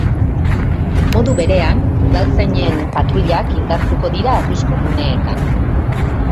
Modu berean, udaltzainen patruilak indartuko dira arrisku guneetan.